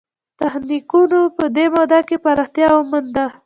تخنیکونو په دې موده کې پراختیا ومونده.